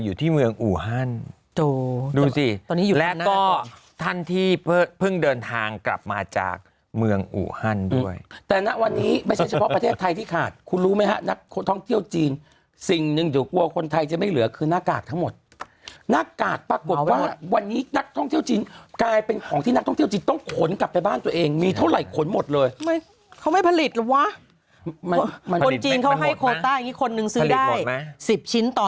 อยู่ที่เมืองอูฮันดูสิตอนนี้อยู่แรกนะก็ท่านที่เพิ่งเดินทางกลับมาจากเมืองอูฮันด้วยแต่ณวันนี้ไม่ใช่เฉพาะประเทศไทยที่ขาดคุณรู้ไหมฮะนักท่องเที่ยวจีนสิ่งหนึ่งเดี๋ยวกลัวคนไทยจะไม่เหลือคือหน้ากากทั้งหมดหน้ากากปรากฏว่าวันนี้นักท่องเที่ยวจีนกลายเป็นของที่นักท่องเที่ยวจีนต้องขนกลับไปบ้านตัวเองมีเท่าไหร่ขนหมดเลยเขาไม่ผลิตเหรอวะสิบชิ้นต่อ